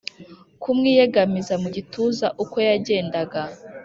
kumwiyegamiza mugituza uko yagendaga